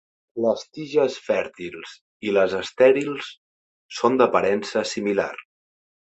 Les tiges fèrtils i les estèrils són d'aparença similar.